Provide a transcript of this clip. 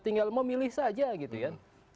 tinggal memilih saja gitu kan